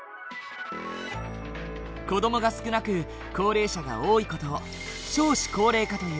子どもが少なく高齢者が多い事を少子高齢化という。